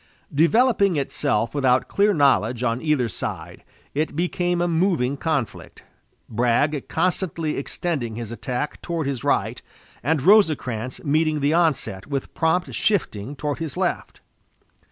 Developing itself without clear knowledge on either side, it became a moving conflict, Bragg constantly extending his attack toward his right, and Rosecrans meeting the onset with prompt shifting toward his left.